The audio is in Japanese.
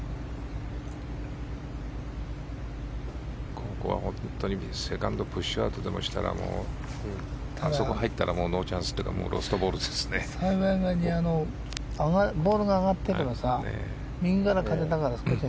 ここは本当にセカンドプッシュアウトでもしたらあそこに入ったらロストボールですね。